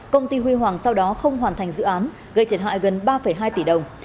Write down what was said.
công ty huy hoàng sau đó không hoàn thành dự án gây thiệt hại gần ba hai tỷ đồng